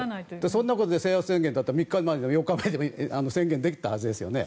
そんなことで制圧宣言だったら３日前でも４日前でも宣言できたはずですよね。